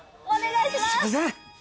お願いします。